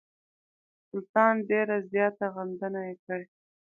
د سلطان ډېره زیاته غندنه یې کړې.